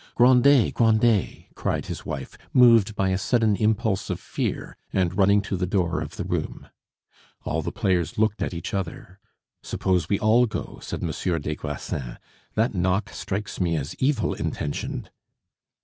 "Grandet! Grandet!" cried his wife, moved by a sudden impulse of fear, and running to the door of the room. All the players looked at each other. "Suppose we all go?" said Monsieur des Grassins; "that knock strikes me as evil intentioned."